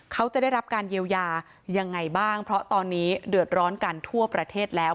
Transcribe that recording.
เขาจะได้รับการเยียวยายังไงบ้างเพราะตอนนี้เดือดร้อนกันทั่วประเทศแล้ว